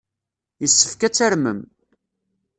Yessefk ad tarmem!